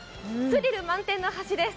スリル満点の橋です。